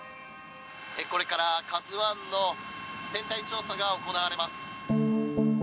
これから「ＫＡＺＵ１」の船体調査が行われます。